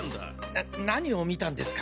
な何を見たんですか？